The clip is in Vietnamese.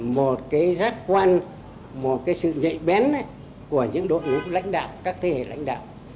một cái giác quan một cái sự nhạy bén của những đội ngũ lãnh đạo các thế hệ lãnh đạo